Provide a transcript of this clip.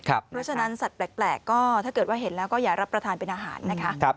เพราะฉะนั้นสัตว์แปลกก็ถ้าเกิดว่าเห็นแล้วก็อย่ารับประทานเป็นอาหารนะคะ